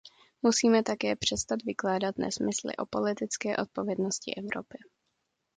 Musíme také přestat vykládat nesmysly o politické odpovědnosti Evropy.